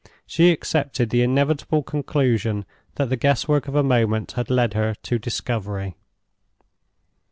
She accepted the inevitable conclusion that the guesswork of a moment had led her to discovery.